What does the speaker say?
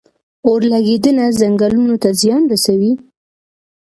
اورلګیدنه ځنګلونو ته څه زیان رسوي؟